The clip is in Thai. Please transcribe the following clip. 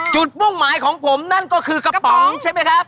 มุ่งหมายของผมนั่นก็คือกระป๋องใช่ไหมครับ